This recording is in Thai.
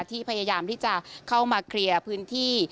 พยายามที่จะเข้ามาเคลียร์พื้นที่